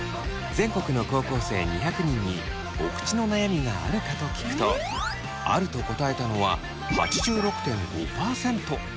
全国の高校生２００人に「おくちの悩みがあるか」と聞くと「ある」と答えたのは８６．５％。